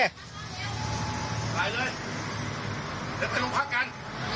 เดี๋ยวไปลุงพักกัน